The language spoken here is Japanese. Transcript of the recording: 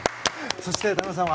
そして、田中さんは？